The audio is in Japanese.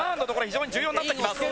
非常に重要になってきます。